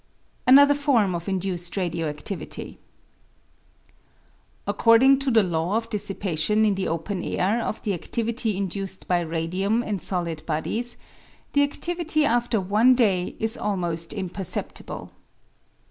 Another Form of Induced Radio activity . According to the law of dissipation in the open air of the adivity induced by radium in solid bodies, the adivity after one day is almost imperceptible.